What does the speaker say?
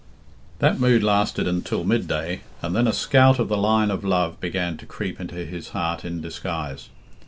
XIV. That mood lasted until mid day, and then a scout of the line of love began to creep into his heart in disguise.